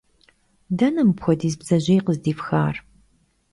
Dene mıpxuediz bdzejêy khızdifxar?